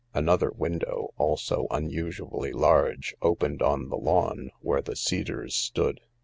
Another window, also unusually large, opened on the lawn where the cedars stood.